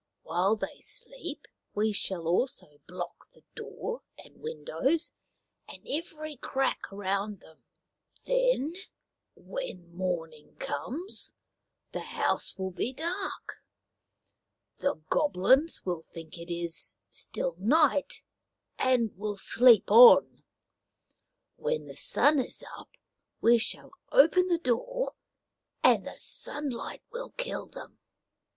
While they sleep we shall also block the door and windows and every crack around them. Then, when morning comes, the house will be dark. The Goblins will think it is still night and will sleep on. When the sun is up we shall open the door, and the sunlight will kill them."